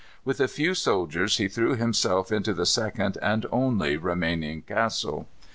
With a few soldiers he threw himself into the second and only remaining castle.